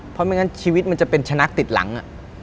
เพราะไม่งั้นชีวิตมันจะเป็นชนะติดหลัง